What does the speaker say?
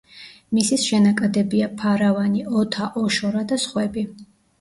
მისის შენაკადებია: ფარავანი, ოთა, ოშორა და სხვები.